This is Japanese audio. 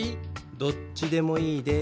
どっちでもいいです。